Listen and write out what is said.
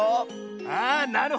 ああなるほどね。